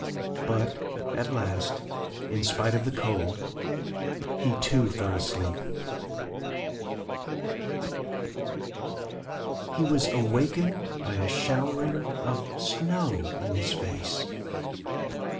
But at last, in spite of the cold, he too fell asleep. He was awakened by a showering of snow in his face.